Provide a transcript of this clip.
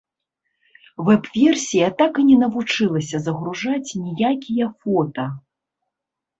Вэб-версія так і не навучылася загружаць ніякія фота.